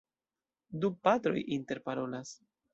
Du patroj interparolas.